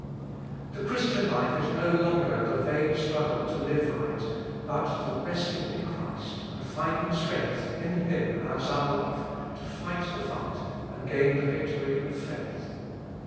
The Christian life is no longer the vain struggle to live right, but the resting in Christ and finding strength in Him as our life, to fight the fight and gain the victory of faith.